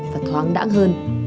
và thoáng đáng hơn